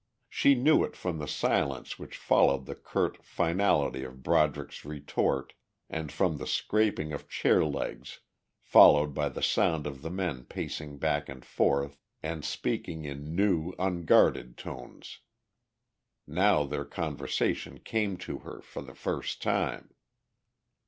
She knew it from the silence which followed the curt finality of Broderick's retort and from the scraping of chair legs followed by the sound of the men pacing back and forth and speaking in new, unguarded tones. Now their conversation came to her for the first time.